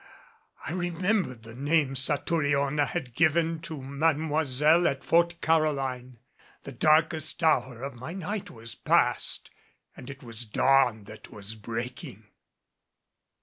I remembered the name Satouriona had given to Mademoiselle at Fort Caroline. The darkest hour of my night was past and it was dawn that was breaking.